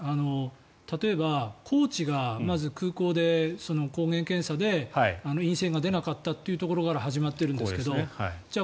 例えば、コーチがまず空港で抗原検査で陰性が出なかったというところから始まっているんですけどじゃあ